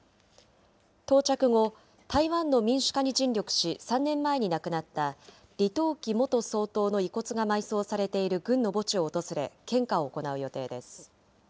到着後、台湾の民主化に尽力し、３年前に亡くなった李登輝元総統の遺骨が埋葬されている軍の墓地を訪れ、献花を行う予定です。